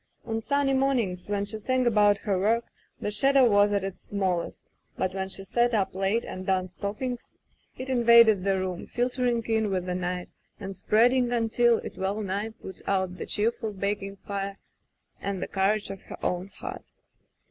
On sunny mornings, when she sang about her work, the shadow was at its smallest, but when she sat up late and darned stockings it invaded the room, [ 207 ] Digitized by LjOOQ IC Interventions filtering in with the night, and spreading un til it well nigh put out the cheerful baking fire and the courage of her own heart.